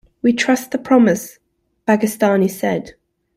"We trust the promise," Bagistani said.